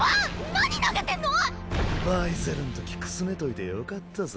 何投げてんの⁉バイゼルんときくすねといてよかったぜ。